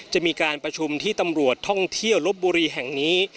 จะมีการประชุมที่ตำรวจท่องเที่ยวลบบุรีแห่งนี้